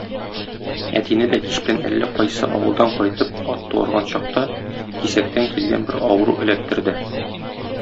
Әтине дә, кич белән әллә кайсы авылдан кайтып ат туарган чакта, кисәктән килгән бер авыру эләктерде.